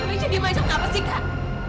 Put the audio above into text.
ini jadi macam apa sih kak